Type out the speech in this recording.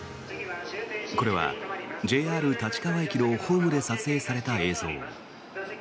これはＪＲ立川駅のホームで撮影された映像。